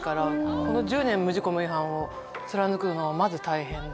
この１０年無事故無違反を貫くのがまず大変で。